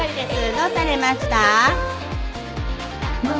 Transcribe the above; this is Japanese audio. どうされました？